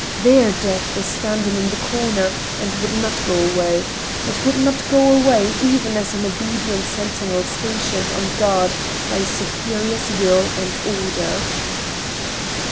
There Death was standing in the corner, and would not go away—it could not go away, even as an obedient sentinel stationed on guard by a superior's will and order.